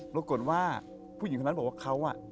แล้วก็บอกว่าผู้หญิงคนนั้นบอกว่าเขาอะ